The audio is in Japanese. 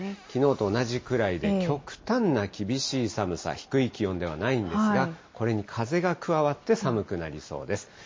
きのうと同じくらいで、極端な厳しい寒さ、低い気温ではないんですが、これに風が加わって寒くなりそうです。